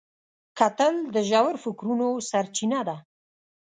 کتل د ژور فکرونو سرچینه ده